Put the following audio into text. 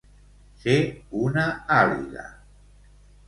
Ser una àliga.